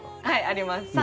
はいあります。